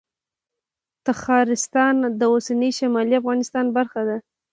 تخارستان د اوسني شمالي افغانستان برخه وه